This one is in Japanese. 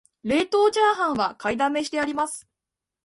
冷凍チャーハンは買いだめしてあります